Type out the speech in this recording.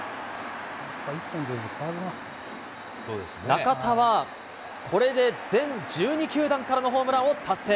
中田は、これで全１２球団からのホームランを達成。